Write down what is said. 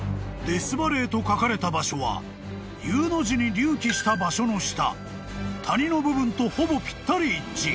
［ＤｅａｔｈＶａｌｌｅｙと書かれた場所はＵの字に隆起した場所の下谷の部分とほぼぴったり一致］